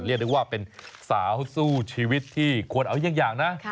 เรียกได้ว่าเป็นสาวสู้ชีวิตที่ควรเอาเยี่ยงอย่างนะ